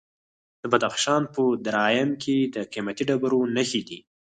د بدخشان په درایم کې د قیمتي ډبرو نښې دي.